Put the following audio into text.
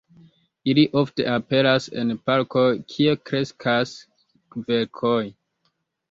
Ili ofte aperas en parkoj, kie kreskas kverkoj.